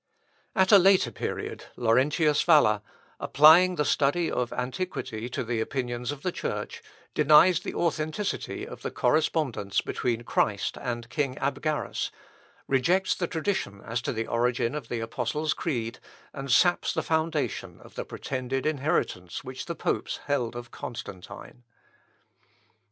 At a later period, Laurentius Valla, applying the study of antiquity to the opinions of the Church, denies the authenticity of the correspondence between Christ and King Abgarus, rejects the tradition as to the origin of the Apostles' Creed, and saps the foundation of the pretended inheritance which the popes held of Constantine. De ementita Constantini donatione declamatio ad Papam." (Op. Basil., 1543.)